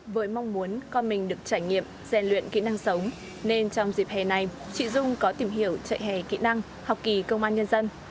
với mong muốn con mình được trải nghiệm gian luyện kỹ năng sống nên trong dịp hè này chị dung có tìm hiểu trại hè kỹ năng học kỳ công an nhân dân